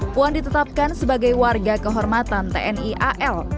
puan ditetapkan sebagai warga kehormatan tni al